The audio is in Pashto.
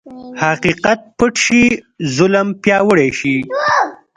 حقیقت پټ شي، ظلم پیاوړی شي.